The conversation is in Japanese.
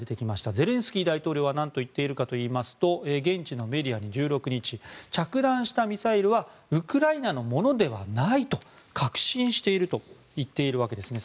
ゼレンスキー大統領はなんと言っているかというと現地のメディアに１６日着弾したミサイルはウクライナのものではないと確信していると言っているわけですね。